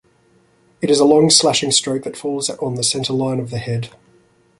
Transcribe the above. It is a long slashing stroke that falls on the centre-line of the head.